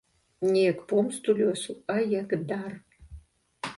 Не як помсту лёсу, а як дар.